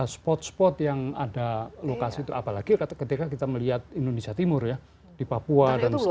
spot spot yang ada lokasi itu apalagi ketika kita melihat indonesia timur ya di papua dan seterusnya